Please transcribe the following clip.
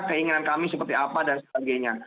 keinginan kami seperti apa dan sebagainya